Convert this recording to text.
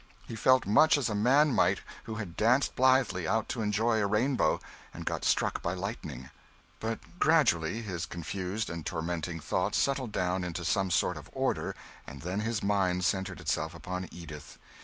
He felt much as a man might who had danced blithely out to enjoy a rainbow, and got struck by lightning. But gradually his confused and tormenting thoughts settled down into some sort of order, and then his mind centred itself upon Edith.